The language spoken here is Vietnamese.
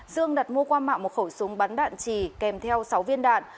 dương đặt mua qua mạng một khẩu súng bắn đạn trì kèm theo sáu viên đạn